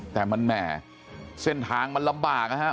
แต่มันแหม่เส้นทางมันลำบากนะครับ